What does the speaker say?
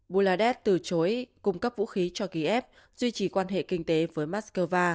buladeh từ chối cung cấp vũ khí cho kiev duy trì quan hệ kinh tế với moscow